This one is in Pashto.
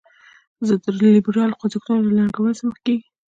ضد لیبرال خوځښتونه له ننګونې سره مخ کیږي.